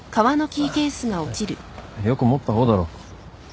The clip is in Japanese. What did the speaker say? よく持った方だろ。